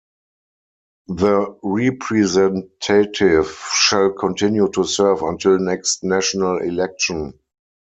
The representative shall continue to serve until next national election.